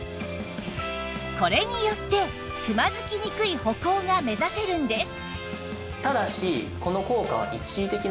これによってつまずきにくい歩行が目指せるんです